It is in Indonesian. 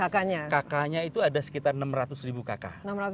kakaknya itu ada sekitar enam ratus ribu kakak